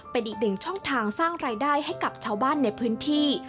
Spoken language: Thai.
เป็นอีกหนึ่งช่องทางสร้างรายได้ให้กับชาวบ้านในพื้นที่